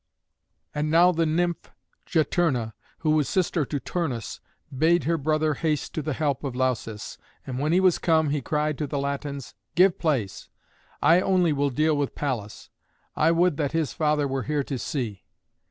And now the nymph Juturna, who was sister to Turnus, bade her brother haste to the help of Lausus. And when he was come, he cried to the Latins, "Give place: I only will deal with Pallas. I only would that his father were here to see."